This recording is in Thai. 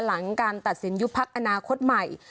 หลังการตัดสินยุบพักอนาคตใหม่